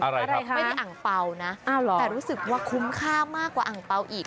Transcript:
อะไรคะไม่มีอังเปล่านะแต่รู้สึกว่าคุ้มค่ามากกว่าอังเปล่าอีก